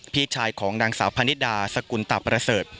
พี่ชายของนางสาวพนิดาสกุลตะประเสริฐ